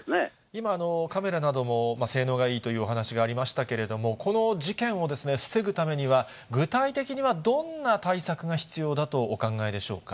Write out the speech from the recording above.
今、カメラなども性能がいいというお話がありましたけれども、この事件を防ぐためには、具体的にはどんな対策が必要だとお考えでしょうか。